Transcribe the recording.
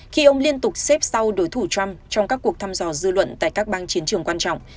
khi ông liên tục xếp sau đối thủ trump trong các cuộc thăm dò dư luận tại các bang chiến trường quan trọng